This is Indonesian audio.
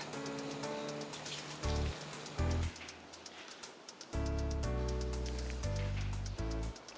lucu juga ya